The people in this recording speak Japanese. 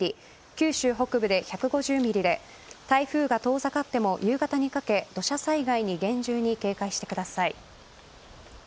九州北部で１５０ｍｍで台風が遠ざかっても、夕方にかけ土砂災害に厳重に警戒してください。